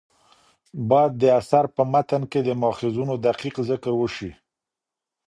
باید د اثر په متن کې د ماخذونو دقیق ذکر وشي.